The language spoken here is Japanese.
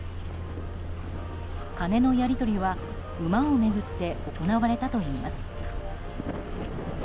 金のやり取りは馬を巡って行われたといいます。